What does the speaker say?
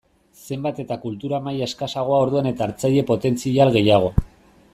Zenbat eta kultura maila eskasagoa orduan eta hartzaile potentzial gehiago.